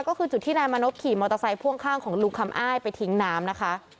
ก็คือจุดที่นายมานพขี่มอเตอร์ไซค่วงข้างของลุงคำอ้ายไปทิ้งน้ำนะคะ